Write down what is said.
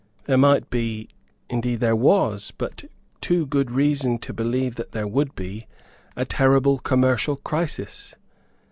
There might be, indeed there was but too good reason to believe that there would be, a terrible commercial crisis.